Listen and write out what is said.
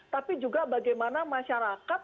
tapi juga bagaimana masyarakat